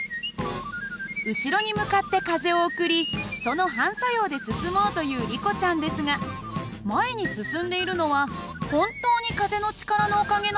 後ろに向かって風を送りその反作用で進もうというリコちゃんですが前に進んでいるのは本当に風の力のおかげなのかな？